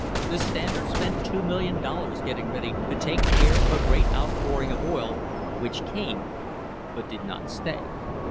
The Standard spent $2,000,000 getting ready to take care of a great outpouring of oil which came, but did not stay.